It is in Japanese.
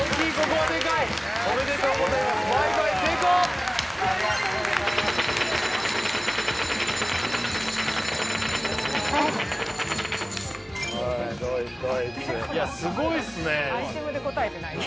アイテムで答えてない？